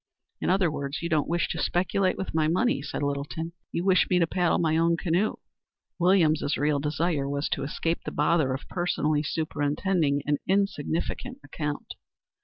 "In other words you don't wish to speculate with my money," said Littleton. "You wish me to paddle my own canoe." Williams' real desire was to escape the bother of personally superintending an insignificant account.